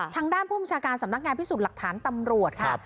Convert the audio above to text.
ทางด้านผู้บัญชาการสำนักงานพิสูจน์หลักฐานตำรวจค่ะ